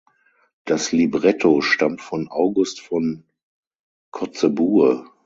Das Libretto stammt von August von Kotzebue.